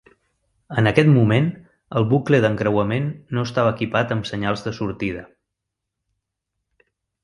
En aquest moment, el bucle d'encreuament no estava equipat amb senyals de sortida.